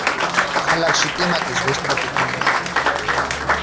ქალაქში კლიმატი ზღვის ტროპიკულია.